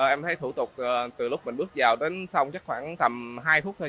em thấy thủ tục từ lúc mình bước vào đến xong chắc khoảng tầm hai phút thôi